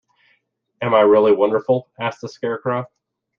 Am I really wonderful? asked the Scarecrow.